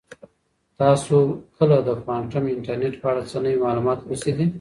تاسو کله د کوانټم انټرنیټ په اړه څه نوي معلومات لوستي دي؟